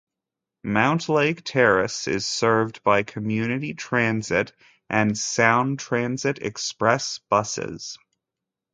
Mountlake Terrace is served by Community Transit and Sound Transit Express buses.